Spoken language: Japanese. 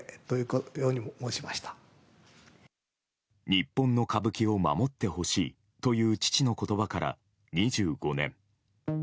日本の歌舞伎を守ってほしいという父の言葉から２５年。